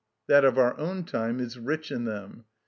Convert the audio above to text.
That of our own time is rich in them.